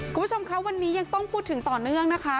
คุณผู้ชมคะวันนี้ยังต้องพูดถึงต่อเนื่องนะคะ